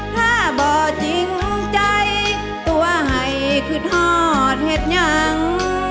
ถ้าบ่อจริงใจตัวให้ขึ้นทอดเห็ดยัง